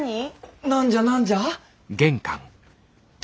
何じゃ何じゃ？